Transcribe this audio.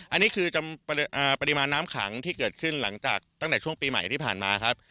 อันนี้คือจำปริมาณน้ำขังที่เกิดขึ้นหลังจากตั้งแต่ช่วงปีใหม่ที่ผ่านมาครับ